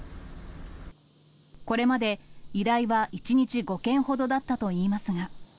これまで、依頼は１日５件ほどだったといいますが。